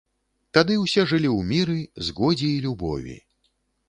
Тады ўсе жылі ў міры, згодзе і любові.